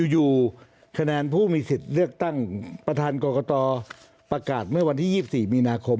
อยู่คะแนนผู้มีสิทธิ์เลือกตั้งประธานกรกตประกาศเมื่อวันที่๒๔มีนาคม